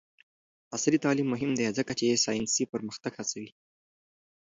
عصري تعلیم مهم دی ځکه چې ساینسي پرمختګ هڅوي.